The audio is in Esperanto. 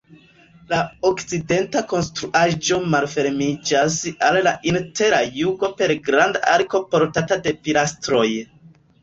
La okcidenta konstruaĵo malfermiĝas al la intera jugo per granda arko portata de pilastroj.